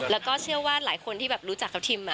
แล้วก็เชื่อว่าหลายคนที่แบบรู้จักกับทิม